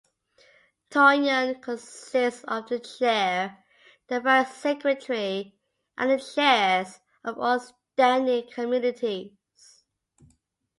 Toyon consists of the Chair, the Vice-secretary and the Chairs of all standing committees.